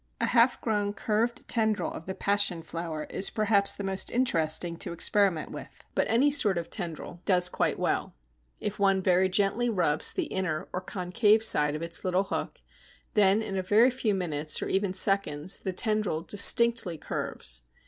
A half grown curved tendril of the Passion flower is perhaps the most interesting to experiment with, but any sort of tendril does quite well. If one very gently rubs the inner or concave side of its little hook, then in a very few minutes, or even seconds, the tendril distinctly curves.